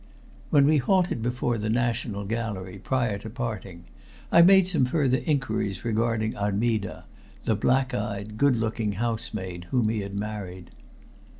When we halted before the National Gallery prior to parting I made some further inquiries regarding Armida, the black eyed, good looking housemaid whom he had married.